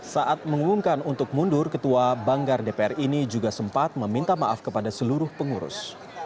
saat mengumumkan untuk mundur ketua banggar dpr ini juga sempat meminta maaf kepada seluruh pengurus